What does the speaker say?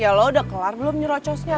ya lo udah kelar belum nyerocosnya